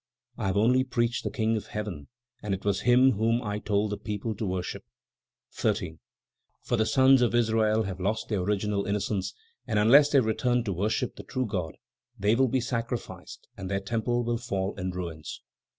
I have only preached of the King of Heaven, and it was Him whom I told the people to worship. 13. "For the sons of Israel have lost their original innocence and unless they return to worship the true God they will be sacrificed and their temple will fall in ruins.